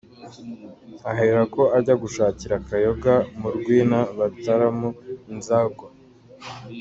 Aherako ajya gushakira akayoga mu rwina bataramo inzagwa.